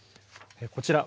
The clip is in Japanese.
こちら。